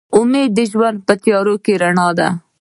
امید د ژوند په تیاره کې رڼا ده.